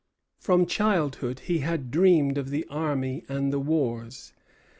From childhood he had dreamed of the army and the wars.